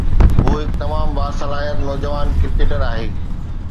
هو هڪ تمام باصلاحيت نوجوان ڪرڪيٽر آهي